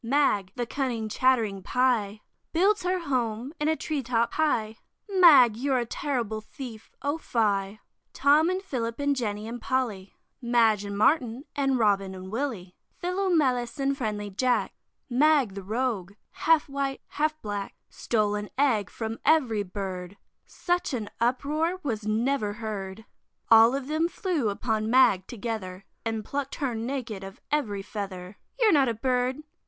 Mag, the cunning chattering Pie, Builds her home in a tree top high, Mag, you're a terrible thief, O fie! Tom and Philip and Jenny and Polly, Madge and Martin and Robin and Willy, Philomelus and friendly Jack, Mag the rogue, half white, half black, Stole an egg from every Bird; Such an uproar was never heard; All of them flew upon Mag together, And pluck'd her naked of every feather. "You're not a Bird!"